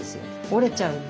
折れちゃうんで。